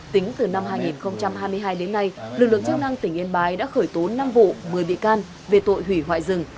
tính từ năm hai nghìn hai mươi hai đến nay lực lượng chức năng tỉnh yên bái đã khởi tố năm vụ một mươi bị can về tội hủy hoại rừng